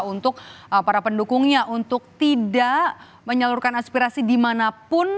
untuk para pendukungnya untuk tidak menyalurkan aspirasi dimanapun